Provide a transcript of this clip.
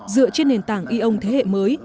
dựa trên nền tảng e ong thế hệ mới